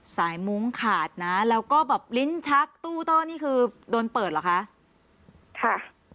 มุ้งขาดนะแล้วก็แบบลิ้นชักตู้ต้อนี่คือโดนเปิดเหรอคะค่ะ